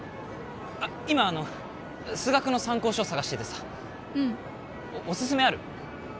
今あの数学の参考書探しててさうんオススメある？